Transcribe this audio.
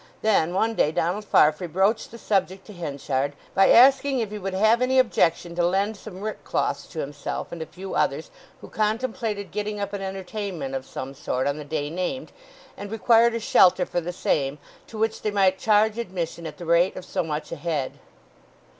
Then one day Donald Farfrae broached the subject to Henchard by asking if he would have any objection to lend some rick cloths to himself and a few others, who contemplated getting up an entertainment of some sort on the day named, and required a shelter for the same, to which they might charge admission at the rate of so much a head.